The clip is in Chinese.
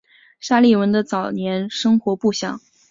沙利文的早年生活不详。